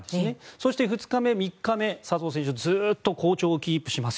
そして２日目、３日目笹生選手はずっと好調をキープします。